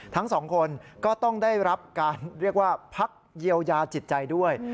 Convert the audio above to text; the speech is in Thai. ทั้งสองคนก็ต้องได้รับการเรียกว่าพักเยียวยาจิตใจด้วย